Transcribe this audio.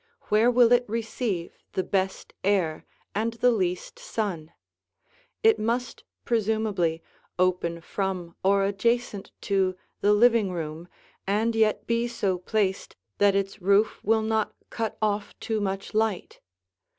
Where will it receive the best air and the least sun? It must, presumably, open from or adjacent to the living room and yet be so placed that its roof will not cut off too much light.